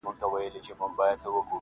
دی روان سو ځان یې موړ کړ په بازار کي -